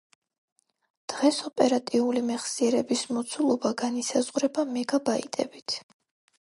დღეს ოპერატიული მეხსიერების მოცულობა განისაზღვრება მეგა ბაიტებით